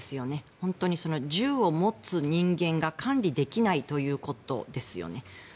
本当に銃を持つ人間が管理できないということですよね。